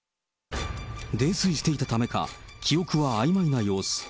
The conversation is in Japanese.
泥酔していたためか、記憶はあいまいな様子。